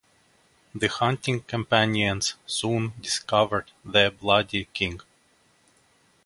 The hunting companions soon discovered the bloody king.